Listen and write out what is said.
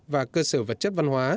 và cơ sở vật chất văn hóa